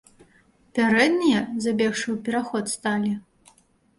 Пярэднія, забегшы ў пераход, сталі.